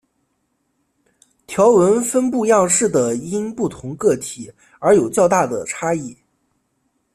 条纹分布样式的因不同个体而有较大的差异。